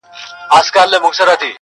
هم لباس هم یې ګفتار د ملکې وو؛